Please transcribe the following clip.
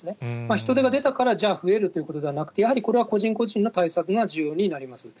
人出が出たから、じゃあ増えるということではなくて、やはりこれは個人個人の対策が重要になります。